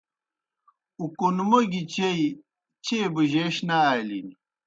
اُکُنموگیْ چیئی چیئے بُجَیش نہ آلِن۔